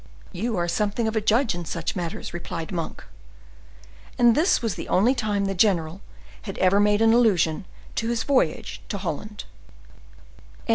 "You are something of a judge in such matters," replied Monk. And this was the only time the general had ever made an allusion to his voyage to Holland.